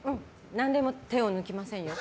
何でも手を抜きませんよ。